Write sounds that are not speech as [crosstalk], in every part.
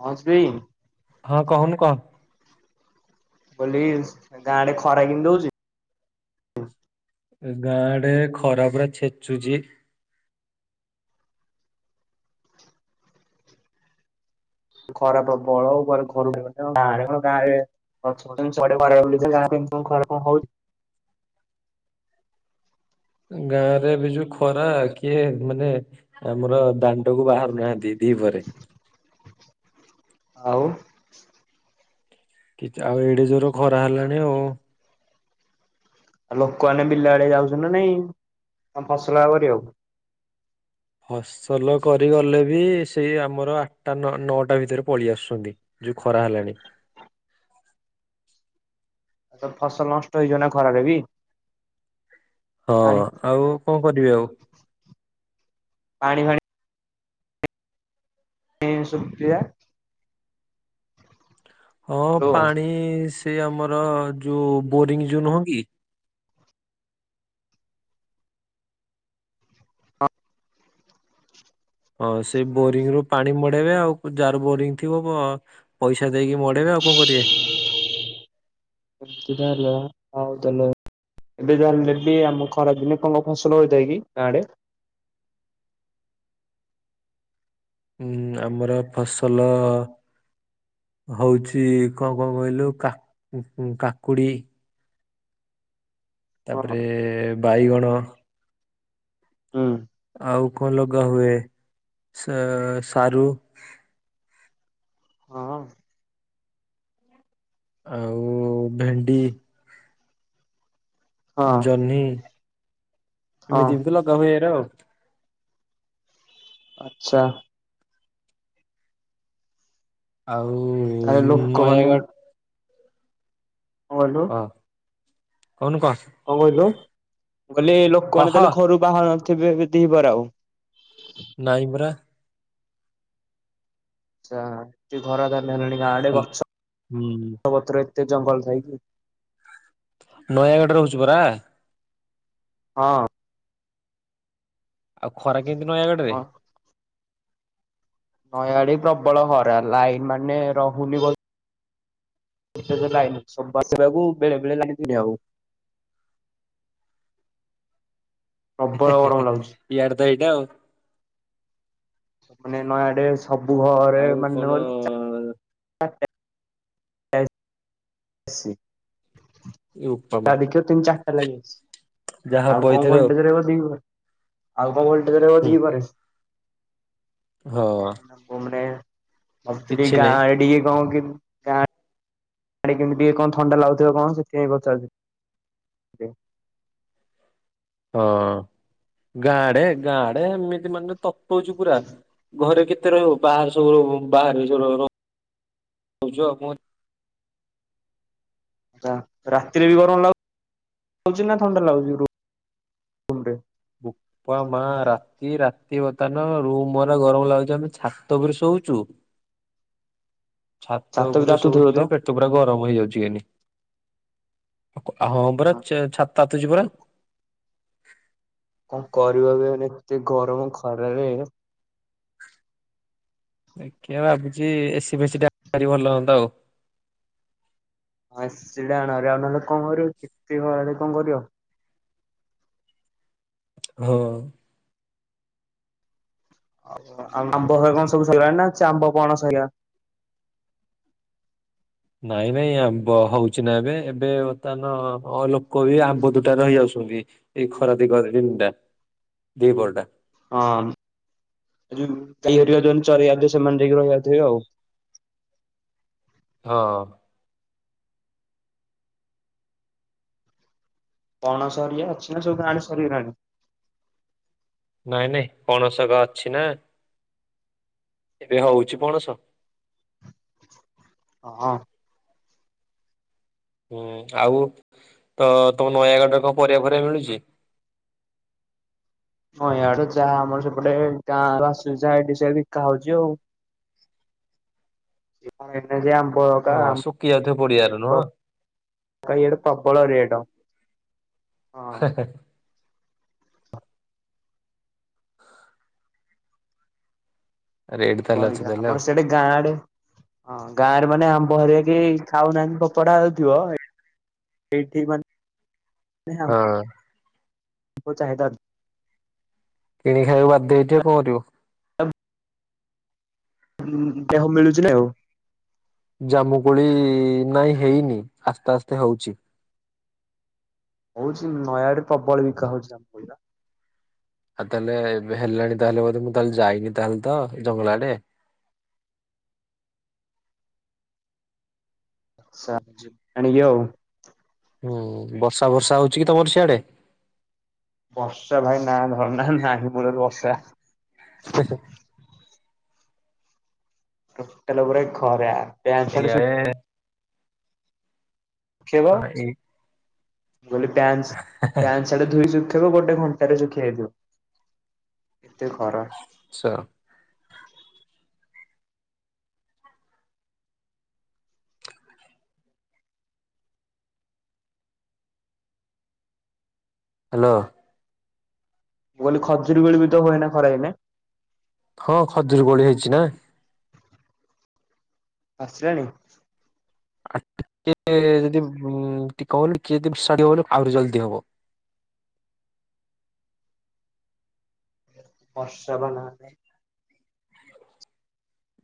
ହଁ ସେଇଁ ହଁ କହୁନୁ କହ। କହିଲି ଗାଁଆଡେ ଖରା କେମିତି ହଉଛି? ଗାଁଆଡେ ଖରା ପୁରା ଛେଚୁଛି। ଖରା ପ୍ରବଳ ଆଉ ଘ ଘରୁ ଗେ ଗାଁରେ କ ଗାଁରେ [inaudible] ବୋଲି ଗାଁ ଖ କଣ ହଉଛି। ଗାଁ ରେ ଏବେ ଯଉ ଖରା କିଏ ମାନେ ଆମର ଦାଣ୍ଡ କୁ ବାହାରୁ ନାହାଁନ୍ତି ଦିପରେ। ଆଉ। କିଛି ଆଉ ଏଡେ ଜୋର ଖରା ହେଲାଣି ଆଉ। ଆଉ ଲୋକମାନେ ବିଲ ଆଡେ ଯାଉଛନ୍ତି ନା ନାଇଁ ତମେ ଫସଲ ଆଉ କରିବାକୁ? ଫସଲ କରିଗଲେ ବି ସେଇ ଆମର ଆଠଟା ନଅଟା ଭିତରେ ପଳେଇ ଆସୁଛନ୍ତି। ଯୋଉ ଖରା ହେଲାଣି। ଆଉ ତ ଫସଲ ନଷ୍ଟ ହେଇଯାଏ ନା ଖରାରେ ବି। ହଁ ପାଣି ଆଉ କଣ କରିବି ଆଉ? ପାଣି ଫାଣି ହଁ ସୁୁକ୍ରିୟା ହଁ ପାଣି ସେ ଆମର ଯୋଉ ବୋରିଂ ଯୋଉ ନୁହଁ କି ହଁ, ସେ ବୋରିଂ ରୁ ପାଣି ମଡ଼େଇବେ ଆଉ, ଯାହାର ବୋରିଂ ଥିବ ପଇସା ଦେଇକି ମ ପଢେଇବେ ଆଉ କଣ କରିବେ? ଏତିଟା ହେଲା ହଉ ତାହାଲେ। ଏବେ ଜାଣିଲେ ବି ଆମ ଖରାପ ଦିନେ କଣ ଫସଲ ହୋଇଥାଏ କି ଗାଁଆଡେ ଉୁଁ ଆମର ଫସଲ ହଉଛି କଣ କଣ କହିଲୁ କା କାକୁଡି ହଁ ତାପରେ ବାଇଗଣ ହୁଁ ଆଉ କଣ ଲଗା ହୁଏ ସାରୁ ହଁ। ଆଉ ଭେଣ୍ଡି ହଁ ଜହ୍ନି ହଁ ଏମିତି ବି ତ ଲଗା ହୁଏ ନା ଆଉ। ଆଛା। ଆଉ ତାହେଲେ ଲୋକମାନେ କଣ ନୟାଗଡ଼ କହିଲୁ ହଁ କହୁନୁ କହ। ମୁଁ କହିଲି ଲୋକମାନେ କହ ତାହେଲେ ଘରୁ ବାହାରୁ ନଥିବେ ଦି ପହରେ ଆଉ। ନାଇଁ ପରା। ଆଛା କି ଘରା ଧରି ହେଲାଣି, ଗାଁ ଆଡ଼େ ହାଲ୍ ଗଛ ହୁଁ ପତ୍ର ଏତେ ଜଙ୍ଗଲ ଥାଇକି। ନୟାଗଡ଼ରେ ରହୁଚୁ ପରା। ହଁ। ଆଉ ଖରା କେନ୍ତି ନ ନୟାଗଡ଼ରେ? ହଁ, ଇଆଡ଼େ ପ୍ରବଳ ଖରା। ଲାଇନ ମାନେ ରହୁନି ବ ସେ ଲାଇନ ସବୁ ଆସିବାକୁ ବେଳେ ବେଳେ ଲାଇନ ଦଆକୁ ପ୍ରବଳ ଗରମ ଲାଗୁଛି। ଇଆଡ଼େ ତ ଏଇଟା ଆଉ। ମାନେ ନୟାଡ଼େ ସବୁ ଘରେ ଆଉ କଣ ମାନେ [unintelligible] [unintelligible] [unintelligible] ଏ ବୋପା ମା ଜା ଦେଖିବ ତିନ୍ ଚାଟା ଲାଗିଛି, ଯାହା ହବ ଆଉ କଣ ଏଇଥର ଭୋଲ୍ଟେଜ ରହିବ। ଦି ଆଉ କଣ ଭୋଲ୍ଟେଜ ରହିବ ହୁଁ ଦି ପହରେ। ହଁ। କହେ କିଛି ନାଇଁ ଗାଁ ଟିକେ କଣ କି [unintelligible] ସିଆଡ଼େ କେମିତିିଇ କଣ, ଥଣ୍ଡ ଲାଗୁଥିବ କଣ ସେଥି ପାଇଁ ପଚାରୁଛି। ଯ [unintelligible] ହଁ, ଗାଁ ଆଡ଼େ, ଗାଁ ଆଡ଼େ ଏମିତି ମାନେ ତତଉଛି ପୁରା। ଘରେ କେତେ ରହିବ, ବାହାରେ ସବୁ ବାହରେ ସବୁ ରହୁଚୁ ଆଉ। ରାତିରେ ବି ଗରମ ଲାଗୁଛି ନା ଥଣ୍ଡା ଲାଗୁଛି? ରୁମ୍ ରେ। ହ [unintelligible] ବୋପା ମା, ରାତି ରାତି ବର୍ତ୍ତମାନ ରୁମ୍ ରା ଗରମ ଲାଗୁଛି। ଆମେ ଛାତ ଉପରେ ଶୋଉଚୁ। [inaudible] ଛାତ ବି ଉପରେ ତାତୁଥିବ ଶୋଉଚୁଯେ। ତ? ପେ ଛାତପୁରା ଗରମ ହେଇ ଯାଉଛି ଖାଲି। ହଁ ପରା ଛାତ ତାତୁଚି କଣ ପୁରା। କଣ କରିବ ଏବେ, ଏତେ ଗରମ ଖରାରେ? ଦେଖିବା ଭାବୁଚି, ଏସିି ଫେଶୀ ଟା ଭଲ ହୁଅନ୍ତା ଆଉ। ହଁ, ଏସିଟା ଆଣ ହାରି, ଆଉ ନହେଲେ କଣ କରିବ, ଏତେ ଖରାରେ କଣ କରିବ? ହଁ। ଆଉ ଆମ୍ବ କଣ ସବୁ ସଇଲାଣି ନା? ଆମ୍ବ ପଣଶ ହେଲାଣି। ନାଇଁ ନାଇଁ ଆମ୍ବ ହଉଛି ନା ଏବେ, ଏବେ ବର୍ତ୍ତମାନ ଅ ଲୋକ ବି ଆମ୍ବ ତୁଟାରେ ରହି ଯାଉଛନ୍ତି। ଏଇ ଖରା ଦିଗରେ ଦିନୁଟା, ଦିପହର ଟା। ହଁ ଯଉରିବା ଯୋ ଚରିବା ସେମାନେ ଯାଇକି ରହିବାକୁ ଥିବେ ଆଉ [unintelligible] ହଁ। ପଣଶ ହରିକା ଅଛି ନା? ସବୁ ଗାଁ ରେ ସରିଗଲାଣି? ନାଇଁ ନାଇଁ ପଣସଗ ଅଛି ନା। ଏବେ ହଉଛି ପଣସ? ହଁ। ହୁଁ, ଆଉ ତ ତମ ନୟାଗଡ଼ରେ କଣ ପରିବା ଫରିବା ମିଳୁଛି? ହଁ, ଇଆଡ଼େ ଚାହା ଆମର ସେପଟେ, ଗାଁ ର ଆସୁଛି ଯାହା, ଏଠି ସେଇଆ ବିକା ହଉଛି ଆଉ। ହଁ ଏ ଯ ଆମପକା ହଁ ଆମ ଶୁଖି ଯାଉଥିବ ପଡିଆରୁ ନୁହଁ [unintelligible] ଏଆଡ଼ ପ୍ରବଳ ରେଟ। ହଁ ହେ ହେ। ରେଟ୍ ତାହେଲେ ଅଛି ପରିବା ତାହେଲେ ଆଉ ଆମର ସିଆଡ଼େ ଗାଁ ଆଡ଼େ। ହଁ, ଗାଁ ରେ ମାନେ ଆମ୍ବ ହରେଇ କି, ଖାଉ ନାହାନ୍ତି ଫୋପଡ଼ା ହଉଥିବ। ସେ ଠିକ [inaudible] ହଁ। ବୋହୁତ ଚାହିଦା ଅଛି। କିଣିକି ଖାଇବାକୁ ବାଧ୍ୟ ହେଇଥିବ, କଣ କରିବ। ତ [unintelligible] ଦେହ ମିଳୁଥିଲେ ଆ [inaudible] ଜାମୁକୋଳି ନାଇଁ ହେଇନି ଆସ୍ତେ ଆସ୍ତେ ହଉଛି। ହଉଛି ନୟାଡେ ପ୍ରବଳ ବିକା ହଉଛି। ଆଉ ତାହେଲେ ଏବେ ହେଲାଣି ତାହେଲେ ବୋଧେ ମୁଁ ତାହେଲେ ଯାଇନି ତାହେଲେ ତ ଜଙ୍ଗଲା ଆଡେ। ଛା ଆଣିବି ଆଉ। ହୁଁ ବର୍ଷା ଫର୍ଷା ହଉଛି କି ତମର ସିଆଡେ? ବର୍ଷା ଭାଇ ନା ଧରଣା ନାହିଁ ମୂଳୁରୁ ବର୍ଷା। [inaudible] ଟୋଟାଲ ପୁରା ଖରା। ପ୍ୟାଣ୍ଟ ସାର୍ଟ ଏଇାଏ। ହଁ ଏଇ। ବ ପ୍ୟାନ୍ସ ଆଚ୍ଛା ପ୍ୟାନ୍। ସେଟା ଧୁଇ ଶୁଖବ ଗୋଟେ ଘଣ୍ଟାରେ ଶୁଖି ହେଇଥିବ ଏତେ ଖରା। ଆଛା। ହ୍ୟାଲୋ। ମୁ କହିଲି ଖଜୁର କୋଳି ବି ତ ହୁଏନା ଖରା ଦିନେ। ହଁ ଖଜୁରୀ କୋଳି ହେଇଛି ନା। ପାଚିଲାଣି। ଆଉ ଟିକେ ଯଦି ଉଁ ଟିକେ କି [unintelligible] ଆହୁରି ଜଲଦି ହବ। ବର୍ଷା ବା ନାହିଁ।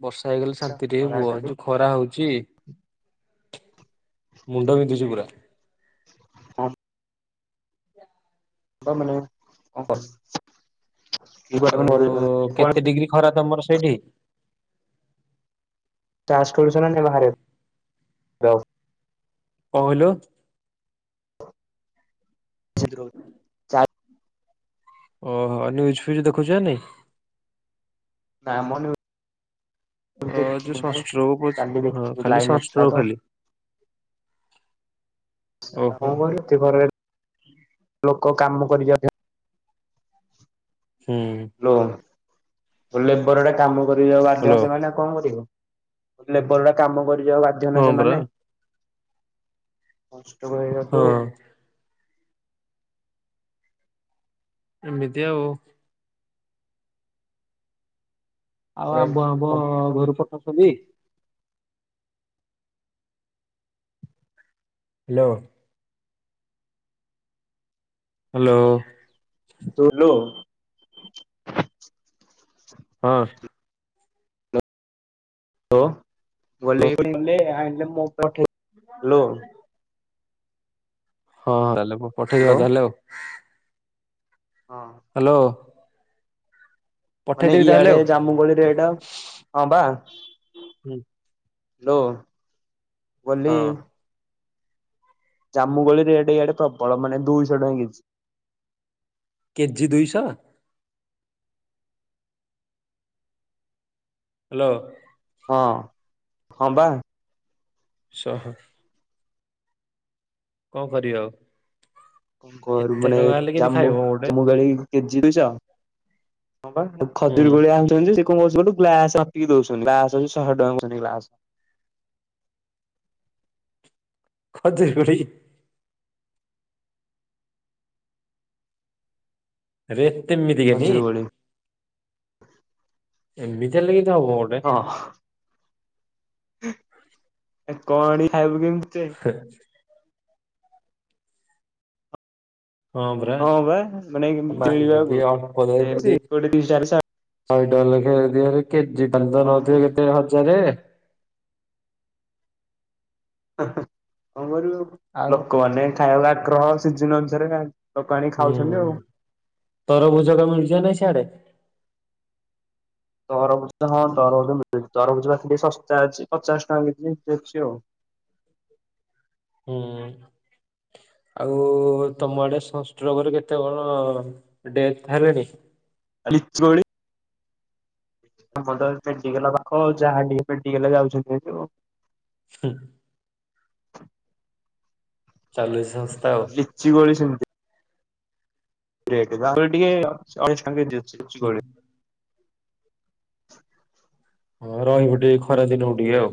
ବର୍ଷା ହେଇଗଲେ ଶାନ୍ତିରେ ଖରା ହୁଅ ଖାଲି ହଁ ଯୋଉ ଖରା ହଉଛି। ମୁଣ୍ଡ ବିନ୍ଧୁଚି ପୁରା। ହଁ। ତ ମାନେ କଣ କହି ଆଉ କଣ କେତେ ଡିଗ୍ରୀ ଖରା ତମର ସେଇଠି। ତାସ ଖେଲୁଚ ନା ନାଇ ବାହାରେ। କଣ କହିଲୁ। [inaudible] ଓହୋ ନିଉଜ୍ ଫିଉଜ୍ ଦେଖୁଚୁ ନା ନାଇଁ। କାମ ନୁହେଁ। ମୁ ଅ ଯୋଉ ଦେଖିନି ମୁଁ ସନଷ୍ଟ୍ରୋକ ହଉଛି କାଲି ହଁ ଦେଖିବି ଖାଲି ଲାଇଟ ନଥିଲା ସନଷ୍ଟ୍ରୋକ ତ। ଖାଲି ଓହୋ [unintelligible] ହୁଁ। ହେଲୋ ଲେବରଟେ କାମ କରି ଯିବାକୁ ବାଧ୍ୟ ହ୍ୟାଲୋ। ସେମାନେ କଣ କରିବେ ଲେବର ଊଡା କାମ କରି ଯିବାକୁ ବାଧ୍ୟ ନା ହଁ ପରା। ସେମାନେ। ସଂଷ୍ଟୋକ ହେଇଯାଉଥିବ ଆଉ। ହଁ ଏମିତି ଆଉ। ଆଉ ଆମ୍ବ ଆମ୍ବ ହ୍ୟାଲୋ। ଘରୁ ପଠାରୁଛନ୍ତି। ହ୍ୟାଲୋ। ହ୍ୟାଲୋ। ଟୁ ଲୁ। ହଁ। [unintelligible] ହ୍ୟାଲୋ [inaudible] ହଁ ହଁ ତାହେଲେ ହ୍ୟାଲୋ ପଠେଇଦବା ତାହେଲେ ଆଉ। ହଁ। ହ୍ୟାଲୋ। ମାନେ ପଠେଇଦେବି ତାହେଲେ ଇଆଡେ ଆଉ। ଜାମୁ କୋଳି ରେଟ ହଁ ବା। ହୁଁ। ହ୍ୟାଲୋ ଓନ୍ଲି ହଁ। ଜାମୁ କୋଳି ରେଟ ଇଆଡେ ପ୍ରବଳ ମାନେ ଦୁଇଶହ ଟଙ୍କା କେଜି। କେଜି ଦୁଇଶହ। ହ୍ୟାଲୋ। ହଁ ହଁ ବା। ଶ ହ। କଣ କରିବା ଆଉ। କ କରିବୁ ଏତେ ମାନେ ଟଙ୍କା ହେଲେ କେମିତି ଜାମୁ ଖାଇବ ଗୋଟେ ଜାମୁ କୋଳି କେଜି ଦୁଇ ଶହ। ହଁ ବା ଏ ହୁଁ ଖଜୁରୀ କୋଳି ଆହୁ [unintelligible] ଗ୍ଲାସରେ ମାପିକି ଦଉଛନ୍ତି ଗ୍ଲାସ ହଉଚି ଶହେ ଟଙ୍କା କହୁଛନ୍ତି ଗ୍ଲାସ ଖଜୁରି କୋଳି ରେ ଏମିତି କେନି ଖଜୁରୀ କୋଳି ଏମିତି ହେଲେ କେମିତି ହବ [unintelligible] ହଁ [inaudible] ଆ କଣ ଆଣିକି ଖାଇବୁ କେମିତି କେଜାଣି। [inaudible] ହଁ ପରା ବା ମାନେ [unintelligible] ମିଳିବାକୁ କୋଉଠି ଦି ଚାରି ଶହ ଶହେ ଡଲ ଲେଖେ ଦିଅରେ କେଜି [unintelligible] ହଁ ନଉଥିବେ କେତେ ହଜାରେ-ଏ-ଏ? କଣ କହିଲୁ ଆଉ ଲୋକମାନେ ଖାଇବାର ଆଗ୍ରହ ସିଜିନ ଅନୁସାରେ ଖାଆନ୍ତି। ହୁଁ। ତରଭୁଜ କା ମିଳୁଛି ୟା ନାଇଁ ସିଆଡେ? ତରଭୁଜ ହଁ ତରଭୁଜ ମିଳୁଛି। ତରଭୁଜ ଆସିକି ଶସ୍ତା ଅଛି। ପଚାଶ ଟଙ୍କା [unintelligible] ଆଉ। ହୁଁ। ଆଉ-ଉ-ଉ-ଉ ତମ ଆଡେ ସଂନଷ୍ଟ୍ରୋକ ରେ କେତେ କଣ-ଅ-ଅ ଡେଥ୍ ହେଲେଣି? ଆ ଲିଚୁ କୋଳି? ଆମର ତ ପେଣ୍ଟିଗଲା ପାଖ ଯାହା ଟିକେ ପେଣ୍ଟିଗଲେ ଯାଉଛନ୍ତି [unintelligible] ହୁଁ। ଚାଲୁଚି ସଂସ୍ଥା ଆଉ। ଲିଚୁ କୋଳି ସେମିତି। ରେଟ୍ ଦାମରେ ଟିକେ-ଏ-ଏ ଅଛ୍ ଅଛନ୍ତି ଲିଚ୍ ଲିଚୁ କୋଳି। ହଁ, ରହିବୁ ଟି ଖରା ଦିନ କୁ ଟିକେ ଆଉ।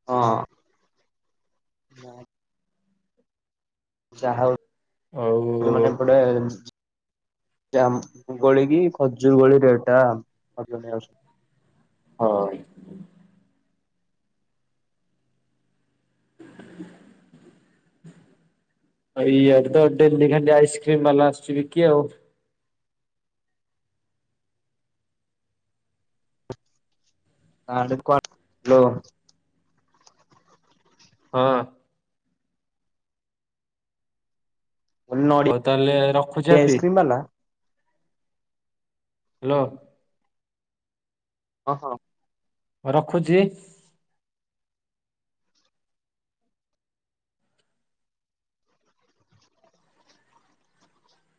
ହଁ। ଯହା ହଉ [unintelligible] ଆଉ ମାନେ ଏପଟେ ଜାମ୍ମୁ କୋଳି କି ଖଜୁର କୋଳି ରେଟଟା [unintelligible] ହଁ। [inaudible] ଆ ଇଆଡେ ତ ଡେଲି ଖାଲି ଆଇସ୍କ୍ରିମ ବାଲା ଆସୁଛି ବିକି ଆଉ। [unintelligible] ହ୍ୟାଲୋ। ହଁ। ହଉ ନଡ଼ିଆ ତାହେଲେ ରଖୁଛି ହାପି? ଆଇସ୍କ୍ରିମ ବାଲା ହ୍ୟାଲୋ। ହ ହଁ। ରଖୁଛି।